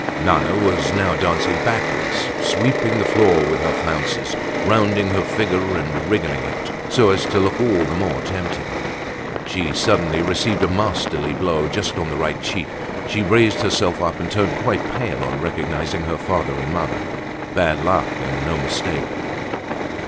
Nana was now dancing backwards, sweeping the floor with her flounces, rounding her figure and wriggling it, so as to look all the more tempting. She suddenly received a masterly blow just on the right cheek. She raised herself up and turned quite pale on recognizing her father and mother. Bad luck and no mistake.